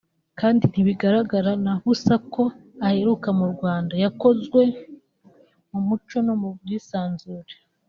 kandi ntibigaragara na busa ko aheruka [mu Rwanda] yakozwe mu mucyo no mu bwisanzure”